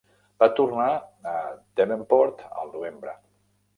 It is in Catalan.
Va tornar a Devonport al novembre.